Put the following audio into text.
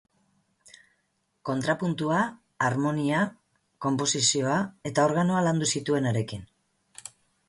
Kontrapuntua, harmonia, konposizioa eta organoa landu zituen harekin.